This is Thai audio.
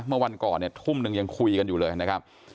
เมื่อวันก่อนเนี่ยทุ่มหนึ่งยังคุยกันอยู่เลยนะครับ